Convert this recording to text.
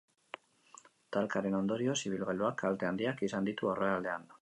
Talkaren ondorioz, ibilgailuak kalte handiak izan ditu aurrealdean.